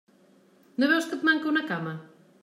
No veus que et manca una cama?